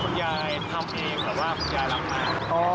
คุณยายทำเองหรือว่าคุณยายรักมาก